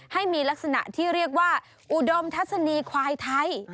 ให้มีลักษณะที่เรียกว่าอุดมทัศนีควายไทย